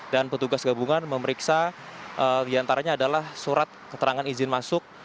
dan petugas gabungan memeriksa diantaranya adalah surat keterangan izin masuk